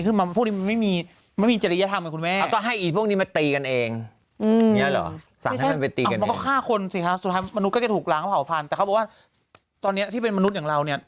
ก็จะกลายเป็นมนุษย์อีกยุคหนึ่งขึ้นมา